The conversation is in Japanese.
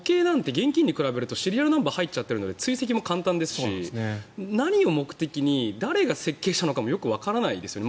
現金に比べるとシリアルナンバーが入っちゃってるので追跡も簡単ですし何を目的に、誰が設計したのかもわからないですね。